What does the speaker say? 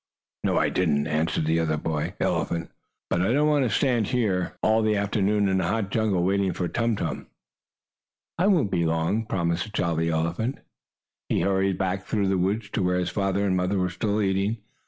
"No, I didn't," answered the other boy elephant. "But I don't want to stand here all the afternoon in a hot jungle, waiting for Tum Tum." "I won't be long," promised the jolly elephant. He hurried back through the woods to where his father and mother were still eating.